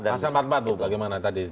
pasal empat puluh empat bu bagaimana tadi